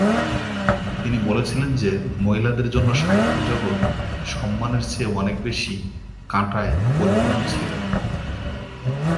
তিনি বলেছিলেন যে, মহিলাদের জন্য সাহিত্যের জগৎ সম্মানের চেয়ে অনেক বেশি কাঁটায় পরিপূর্ণ ছিল।